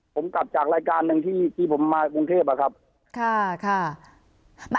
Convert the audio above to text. ผมกลับจากรายการหนึ่งที่ผมมากรุงเทพครับ